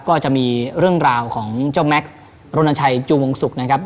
ก็จะมีเรื่องราวของเจ้าแม็กซ์รณชัยจูวงศุกร์นะครับ